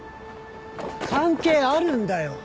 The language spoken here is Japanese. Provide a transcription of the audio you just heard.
関係あるんだよ。